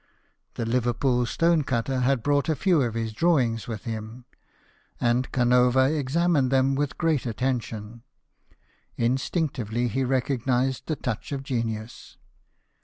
The Liverpool stone cutter had brought a few of his drawings with him, and 72 BIOGRAPHIES OF WORKING MEN. Canova examined them with great attention. Instinctively he recognized the touch of genius.